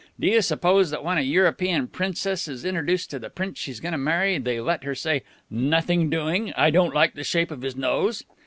Do you suppose that when a European princess is introduced to the prince she's going to marry, they let her say: 'Nothing doing. I don't like the shape of his nose'?"